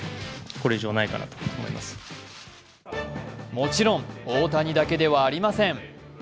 もちろん大谷だけではありません。